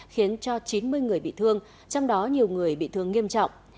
khiến cho chín mươi người bị thương trong đó nhiều người bị thương nghiêm trọng